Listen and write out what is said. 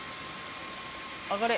上がれ！